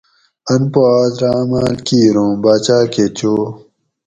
ان پا آس رہ عماۤل کیر اُوں باچاۤ کہ چو